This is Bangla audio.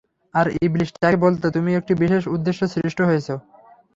আর ইবলীস তাঁকে বলত, তুমি একটি বিশেষ উদ্দেশ্যে সৃষ্ট হয়েছ।